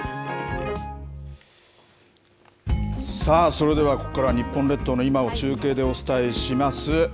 それでは、ここから日本列島の今を中継でお伝えします。